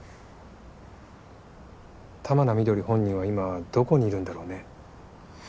玉名翠本人は今どこにいるんだろうね。